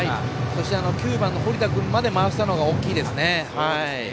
そして、９番の堀田君まで回したのが大きいですね。